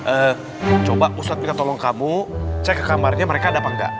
eh coba ustadz minta tolong kamu cek ke kamarnya mereka ada apa enggak